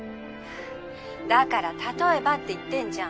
だから例えばって言ってんじゃん。